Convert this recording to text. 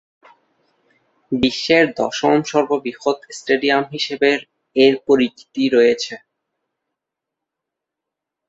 বিশ্বের দশম সর্ববৃহৎ স্টেডিয়াম হিসেবে এর পরিচিতি রয়েছে।